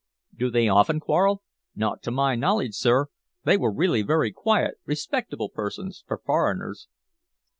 "Did they often quarrel?" "Not to my knowledge, sir. They were really very quiet, respectable persons for foreigners."